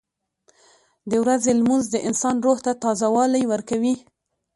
• د ورځې لمونځ د انسان روح ته تازهوالی ورکوي.